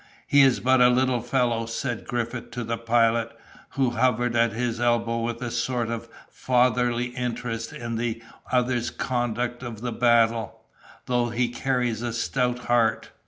"He is but a little fellow," said Griffith to the Pilot, who hovered at his elbow with a sort of fatherly interest in the other's conduct of the battle, "though he carries a stout heart."